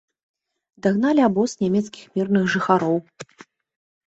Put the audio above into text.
Дагналі абоз нямецкіх мірных жыхароў.